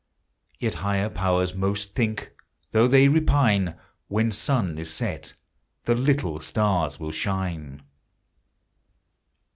Yet higher powers most think though they repine, When sun is set, the little stars will shine.